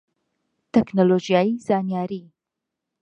تەکنۆلۆژیای زانیاری